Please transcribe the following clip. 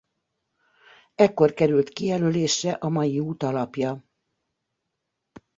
Ekkor került kijelölésre a mai út alapja.